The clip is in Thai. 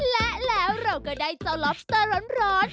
และแล้วเราก็ได้เจ้าล็อบสเตอร์ร้อน